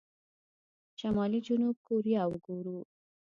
شمالي جنوبي کوريا وګورو.